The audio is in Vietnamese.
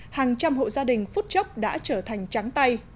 hàng trăm hộ gia đình phút chốc đã trở thành trắng tay